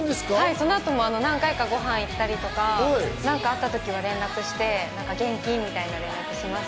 そのあとも何回かごはんに行ったりとか何かあった時は連絡して、元気？みたいな連絡してます。